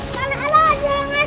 tak ada alat lagi yang aset